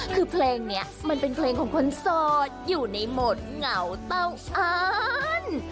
คือเพลงนี้มันเป็นเพลงของคนโสดอยู่ในโหมดเหงาเต้าฉัน